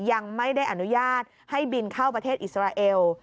ยังไม่ได้อนุญาตให้บินเข้าประเทศอิสราเอล